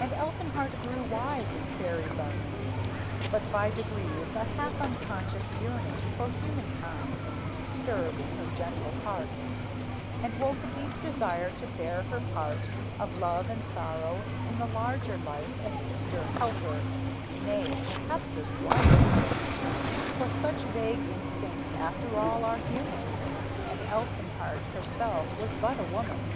And Elfinhart grew wise in fairy learning; But by degrees a half unconscious yearning For humankind stirred in her gentle heart, And woke a deep desire to bear her part Of love and sorrow in the larger life As sister, helper, nay, perhaps as wife; For such vague instincts, after all, are human, And Elfinhart herself was but a woman.